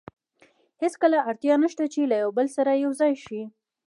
هېڅ اړتیا نه شته چې له یو بل سره یو ځای شي.